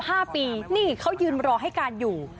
ห้าปีนี่เขายืนรอให้การอยู่